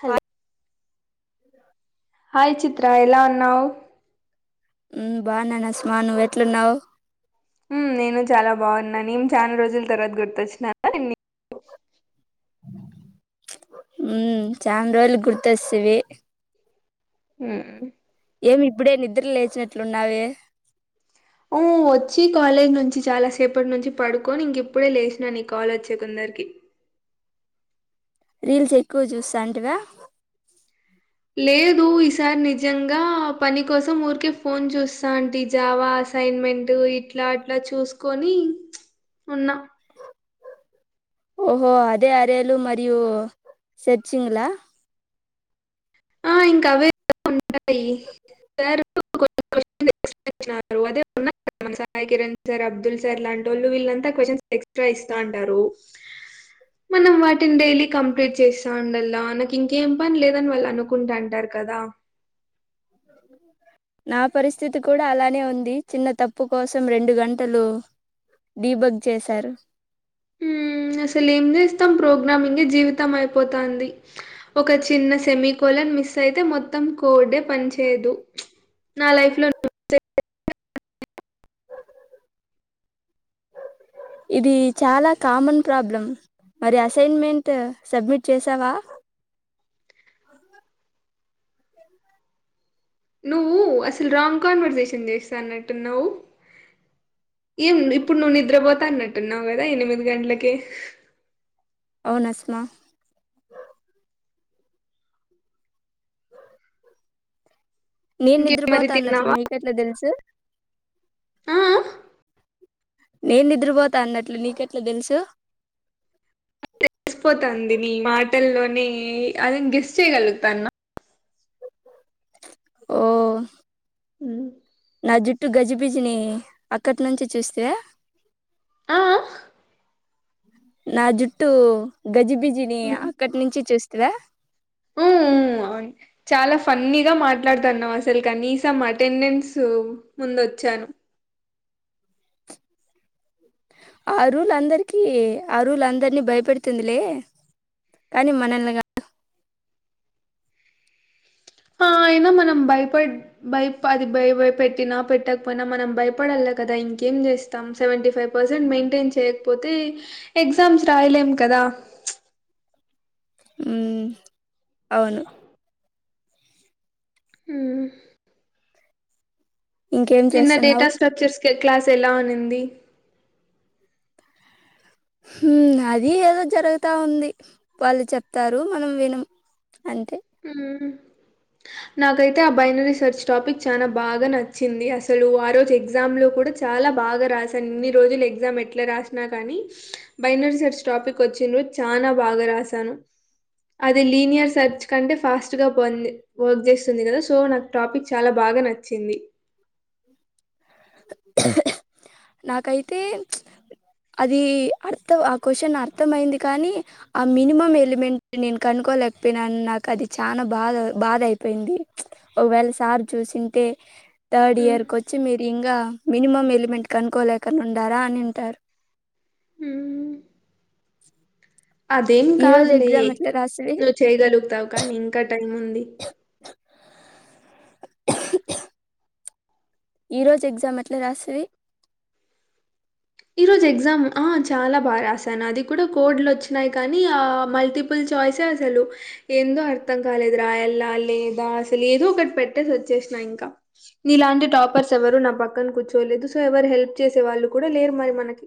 హల్ అ hi Chitra ఎలా అన్నావ్? ఉమ్ బావ్నా నస్మా, నువ్ ఎట్లున్నవ్? ఉమ్ నేను చాలా బాగున్నా. నిన్ చాలా రోజుల తర్వాత గుర్తొచ్చినాన్న నికు. ప్చ్ ఉమ్ చాన్రోజులకు గుర్తోస్తీవి. ఉహ్మ్ ఏమి ఇప్పుడే నిద్ర లేచినట్లున్నావే అవ్ వచ్చి కాలేజ్ నుంచి చాలా సేపటి నుంచి పడుకొని, ఇంకిప్పుడే లేచినా నీ కాలోచ్చే తోందర్కి. రీల్స్ ఎక్కువ చూస్తా అంటివా. లేదు ఈసారి నిజంగా, పని కోసం ఊరికే ఫోన్ చూస్తా అంటి జావా, అసైన్మెంట్ ఇట్లా అట్లా చూసుకొని ప్చ్ ఉన్నా. ఓహో అదే అరేలు మరియు సేర్చింగ్లా ఆ ఇంకా అవే [inaudible] ఉంటాయి. సార్ [inaudible] అదే [inaudible] సాయి కిరణ్ సార్, అబ్దుల్ సార్ లాంటోళ్ళు వీళ్ళంతా, క్వచన్ ఎక్స్ట్రా ఇస్తా అంటారు, మనం వాటిని డైలీ కంప్లీట్ చేస్తా ఉండల్లా నాకు ఇంకేం. పన్లేదని వేల్లనుకో అంటారు కదా నా పరిస్థితి కూడా అలానే ఉంది. చిన్న తప్పు కోసం రెండు గంటలు డీబగ్ చేశారు. మ్... అసలేం చే మొత్తం ప్రోగ్రామింగ్ జీవితం అయిపోతుంది ఒక చిన్న సెమీ కోల్న్ మిస్ అయితే మొత్తం కోడ్ పని చేయదు నా లైఫ్ లో ఇది చాలా కామన్ ప్రాబ్లం మరి అసైన్మెంట్ సబ్మిట్ చేసావా నువ్వు అసలు రాంగ్ కాన్వర్సేషన్ చేస్తా అన్నట్టున్నావు ఏం ఇప్పుడు నువ్వు నిద్రపోతా అన్నట్టున్నావు కదా ఎనిమిది గంటలకే అవునాస్మా నేను ఇంకే మరి నిద్రపోతా అన్నట్లు తిన్నావా నీకెట్లా తెలుసు ఆ ఆ నేను నిద్రపోతా అన్నట్లు నీకెట్లా తెలుసు తెసిపోతాంది నీ మాటల్లోనే అది నెను గెస్ చేయగలుగుతాను ఓ మ్ జుట్టు గజిబిజిని అక్కటి నుంచి చూస్తే ఆ ఆ నా జుట్టు గజిబీజ ని ఉమ్. అక్కడి నుంచి చూస్త అవును చాలా ఫన్నీగా మాట్లాడుతున్నాం అసలు కనీసం అటెండెన్స్ ముందు వచ్చాను ఆ రూల్ అందరికీ ఆ రూల్ అందరినీ భయపెడుతుందిలే కానీ మనల్ని కాదు అయినా మనం భయప భ అది భయపెట్టి నా పెట్టకపోయినా మనం భయపడలే కదా ఇంకేం చేస్తాం సెవెంటీ ఫైవ్ పర్సెంట్ మెయింటైన్ చేయలేకపోతే ఎగ్జామ్స్ రాయలేం కదా మ్ అవును మ్ ఇంకేం నిన్న డేటా చేస్తున్నావు స్ట్రక్చర్స్ క్లాస్ ఎలావ్ అనింది బ హుమ్... అదీ ఏదో జరుగుతా ఉంది వాళ్ళు చెప్తారు మనం వినం అంతే మ్.... నాకైతే ఆ బైనర రీసెర్చ్ టాపిక్ చానా బాగా నచ్చింది అసలు ఆ రోజు ఎగ్జామ్ లో కూడా చాలా బాగా రాసాను ఇన్ని రోజులు ఎగ్జామ్ ఎట్లా రాసినా కానీ బైనరీ రీసెర్చ్ టాపిక్ వచ్చిన రోజు చాన బాగా రాసాను లీనియర్ సచ్ అంటే ఫాస్ట్ గా వర్క్ చేస్తుంది కదా సో నాకు టాపిక్ చాలా బాగా నచ్చింది నాకైతే అది అర్థం ఆ క్వశ్చన్ అర్థమయింది కానీ ఆ మినిమం ఎలిమెంట్ నేను కనుకోలేకపోయినాను నాకు అది చాలా బాధ బాధ అయిపోయింది ఒకవేళ సార్ చూసింటే థర్డ్ మ్మ్. ఇయర్ మీరు ఇంకా మినిమం ఎలిమెంట్ కనుక్కలేకుండా ఉండారా అని అంటారు మ్ అదేం ఈ కాదు రోజు లే ఎగ్జామ్ ఎట్లా రాసివి నువ్వు చేయగలుగుతావు కానీ ఇంకా టైం ఉంది ఈ రోజు ఎగ్జామ్ ఎట్లా రాస్తది ఈ రోజు ఎగ్జామ్ ఆ చాలా బాగా రాశాను అది కూడా కోడ్లు వచ్చినాయి కానీ ఆ మల్టిపుల్ చాయిసే అసలు ఏందో అర్థం కాలేదు రాయల్లా లేదా అసలు ఏదో ఒకటి పెట్టేసి వచ్చేసినా ఇంకా నీలాంటి టాపర్స్ ఎవరు నా పక్కన కూర్చోలేదు సో ఎవరు హెల్ప్ చేసే వాళ్ళు కూడా లేరు మరి మనకి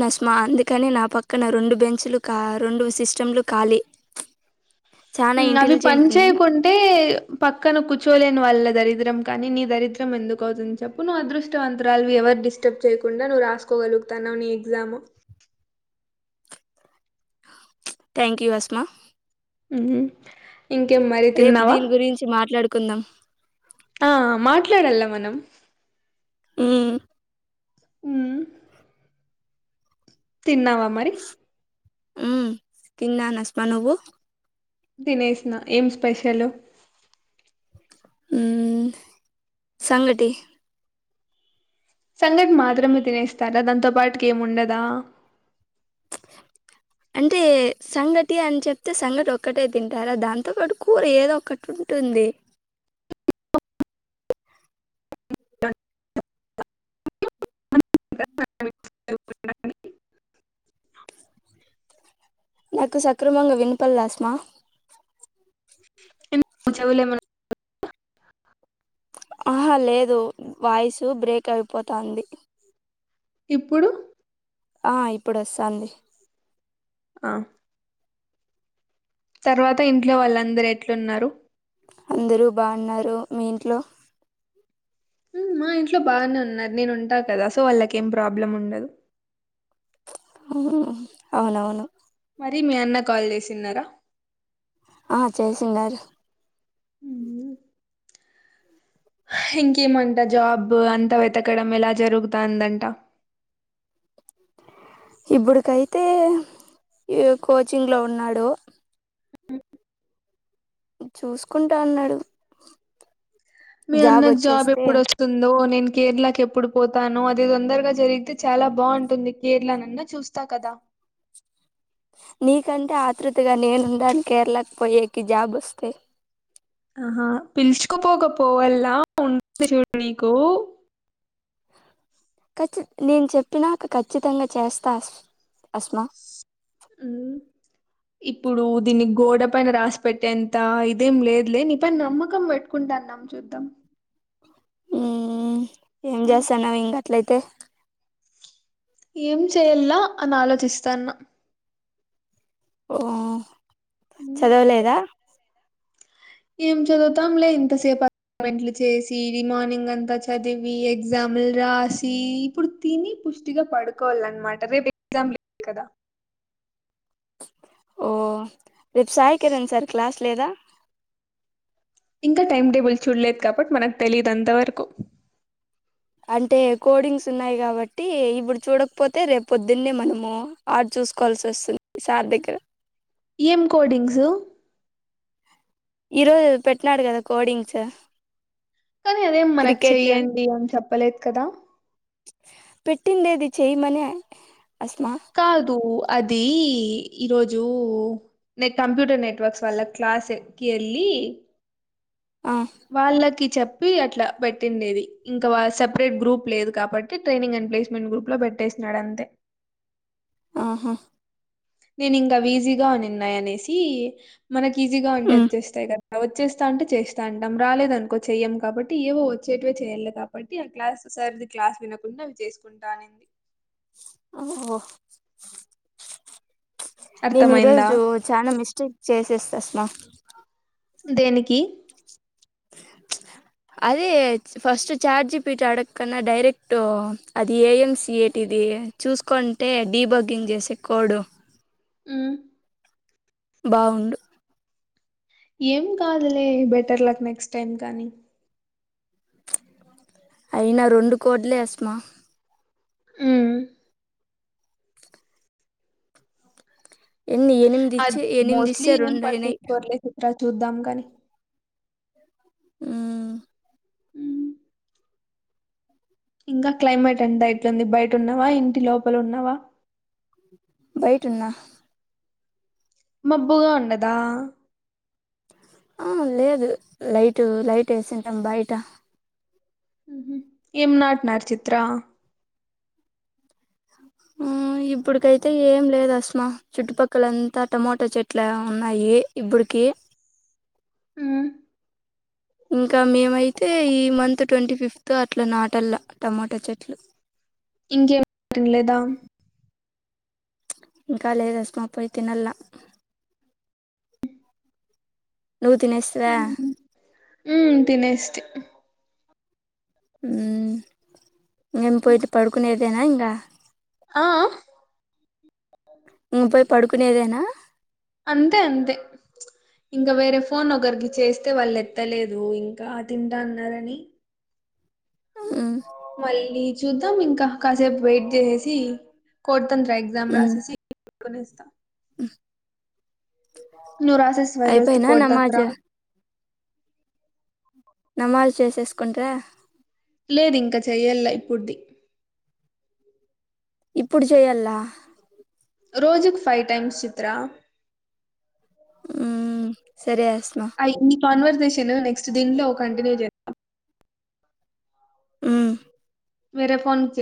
నస్మా అందుకని నా పక్కన రెండు బెంచ్లు రెండు సిస్టంలు ఖాళీ చాలా అవి పని ఇంటెలిజెంట్ నేను చేయకుంటే పక్కన కూర్చు చలేని వాళ్ళ దరిద్రం కానీ నీ దరిద్రం ఎందుకు అవుతుని చెప్పు నువ్వు అదృష్టవంతరాలివి ఎవరు డిస్టర్బ్ చేయకుండా నువ్వు రాసుకోగలుగుతాన్నావ్ నీ ఎగ్జామ్ థ్యాంక్ యూ హస్మా మ్ ఇంకేం మరీ రేపు తిన్నావా దీని గురించి మాట్లాడుకుందాం ఆ మా ఎక్కడికి వెళ్ళాము మనం హ్ ఉ తిన్నావా మరి ఊ తిన్నాను అస్మా నువ్వు తినేసి ఏం స్పెషలు ఊ సంగటి సంగటి మాత్రమే తినేస్తారా దాంతో పాటుకి ఏముండదా అంటే సంగటి అని చెప్తే సంగటి ఒక్కటే తింటారా దాంతో పాటు కూర ఏదో ఒక్కటి ఉంటుంది. [inaudible] నాకు సక్రమంగా వినపడ్లే అస్మా ఎందుకు చెవులో ఏమైనా [inaudible] ఆహా లేదు వాయిస్ బ్రేక్ అయిపోతంది ఇప్పుడు ఆ ఇప్పుడు వస్తంది ఆ తర్వాత ఇంట్లో వాళ్ళందరు ఎట్లున్నారు అందరూ బాగున్నారు మీ ఇంట్లో హ్ మా ఇంట్లో బాగానే ఉన్నారు నేను ఉంటా కదా సో వాళ్లకు ఏం ప్రాబ్లం ఉండదు. అవునవును మరి మీ అన్న కాల్ చేసిన్నార ఆ చేసియున్నారు ఉహు ఇంకేమంట జాబ్ అంతా వెతకడం ఎలా జరుగుతాందంట ఇప్పుడుకైతే యు కోచింగ్ లో ఉన్నాడు చూసుకుంటా అన్నాడు మీ అన్నకు జాబ్ ఎప్పుడు వస్తుందో నేను కేరళకి ఎప్పుడు పోతాను అది తొందరగా జరిగితే చాలా బాగుంటుంది కేరళ నన్నా చూస్తా కదా నీకంటే ఆతృతగా నేనుండను కేరళకు పోయేకి జాబ్ వస్తే ఆహా పిలిచిక పోక పోవలా ఉన్న [inaudible] నీకు హా కచ్చు నేను చెప్పినాక ఖచ్చితంగా చేస్తా అస్మా హ్మ్. ఇప్పుడు దీన్ని గోడ పైన రాసి పెట్టేంత ఇదేం లేదులే నీ పైన నమ్మకం పెట్టుకుంటా అన్నాం చూద్దాం. హుహ్ ఏం హ్మ్. చేస్తానావ్ ఇంగ ఎట్లయితే ఏం చెయ్యాలా అని ఆలోచిస్తానా ఒహో హ్మ్. చదవలేదా ఏం చదువుతాంలే ఇంతసేపు అస్నమేట్లు చేసి రిమైంగ్మార్నింగ్ అంతా చదివి ఎగ్జామ్లు రాసి ఇప్పుడు తిని పుష్టిగా పడుకోవాల అనమాట రేపు ఎగ్జామ్ కదా ఓ రేపు సాయికిరణ్ సార్ క్లాస్ లేదా ఇంకా టైం టేబుల్ చూడలేదు కాబట్టి మనకు తెలియదుంతవరకు అంటే కోడింగ్స్ ఉన్నాయి కాబట్టి ఇప్పుడు చూడకపోతే రేపు పొద్దున్నే మనము ఆర్డ్ చూసుకోవాల్సి వస్తుంది సార్ దగ్గర ఏం కోడింగ్ ఈరోజు పెట్టినాడు కదా కోడింగ్స్ కానీ అదేం మనకు క్రికెట్ చెయ్యండి అని చెప్పి పలేద్ కదా పెట్టిండేది చేయ్య మని కాదు అది ఈరోజు నెను కంప్యూటర్ నెట్వర్క్స్ వల్ల క్లాస్కి వెళ్ళి ఆ వాళ్ళకి చెప్పి అట్లా పెట్టిండేది ఇంకా సెపరేట్ గ్రూప్ లేదు కాబట్టి ట్రైనింగ్ అండ్ ప్లేస్మెంట్ గ్రూప్ లో పెట్టేసన్నాడు అంతే ఆహా నేను ఇంగా విజీగా అనిన్నాయి అనేసి మనకి ఈజీగా ఉంటే ఉమ్ వచ్చేస్తాయి కదా వచ్చేస్తా అంటే చేస్తా అంటాం రాలేదు అనుకో చెయ్యం కాబట్టి ఏవో వచ్చేటవే చెయ్యలే కాబట్టి ఆ క్లాస్ సారిది క్లాస్ వినకుండా అవి చేసుకుంటా అనింది ఓఓ నేను అర్థమైందా? ఈరోోజు చానా మిస్టేక్ చేసేస్తా అశమా దేనికి అదే ఫస్ట్ చాట్ జిపిట్ అడగన్నా డైరెక్ట్ అది ఏఎం సియటిది చూసుకుంటే డీబగ్గింగ్ చేసే కోడ్ ఉ బావుండు ఏం కాదులే బెటర్ లక్ నెక్స్ట్ టైమ్ కానీ అయినా రెండు కోడ్లే ఎసమా ఉ ఎన్ని ఎనిమిది అది ఇచ్చే ఎనిమిది మోస్ట్లీ ఇస్తే ఏం రెండయినాయి పట్టించుకోర్లే చిత్ర చూద్దాం కానీ ఉ హ ఇంకా క్లైమేట్ ఎంత ఎట్లుంది బయట ఉన్నవా ఇంటి లోపల ఉన్నావా బయట్ ఉన్నా మెబ్బుగా ఉండదా ఆ లేదు లైట్ లైట్ వేసంటాం బయట ఏం నాట్ నాార్ చిత్రా ఇప్పుడుకైతే ఏం లేదు అస్మా చుట్టుపక్కలంతా టమాోటా చెట్లు ఉన్నాయి ఇప్పుడికి హు ఇంకా మేమైతే ఈ మంత్ ట్వంటీ ఫిఫ్త్ అట్లా నాటల్లా టమాటా చెట్లు ఇంకేం మాం లేదా ఇంకాాల లేదు అస్తమా పోయితినలా నువ్వు తినేస్తివా ఉ తినేస్తి అ ఏేం పోయితే పడుకునేద తనయింగా ఆఆ ఉ పెట్ పడుకునేదేనా అంతే అంతే ఇంకా వేరే ఫోన్ ఒకరికి చేస్తే వాళ్ళు ఎత్తలేదు ఇంకా తింటా అన్నారని ఆ ఉ మళ్ళీ చూద్దాం ఇంకా కాసేపు వెయిట్ చేసి కొట్ తంత్రయంగ్ ఎగ్జామ్ రాసేసి కొనిస్త ఆ ఏక నువ్ రాసిస్తున్నావా ఈ రోజు ది అయిపోయినా కొడ్ దపుర నమాజ్ నమాజ్ చేసేస్ కుంట్రా లేదు ఇంకా చెయ్యల్లా ఇప్పుడుది ఇప్పుడు చేయల్లా రోజుకు ఫైవ్ టైమ్స్ చిత్ర ఉ తేరేస్మ కన్వర్సేషన్ నెక్స్ట్ దిన్లో కంటిన్యూ జేత్త ఉ మేర ఫోన్ చే